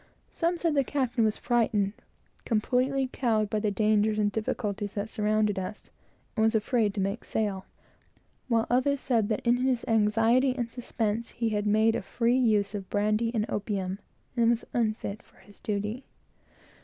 Some said that the captain was frightened, completely cowed, by the dangers and difficulties that surrounded us, and was afraid to make sail; while others said that in his anxiety and suspense he had made a free use of brandy and opium, and was unfit for his duty.